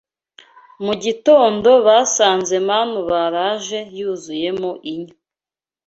Mu gitondo basanze manu baraje yuzuyemo inyo